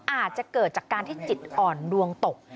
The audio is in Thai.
อาจจะเกิดจากการที่จิตอ่อนดวงตก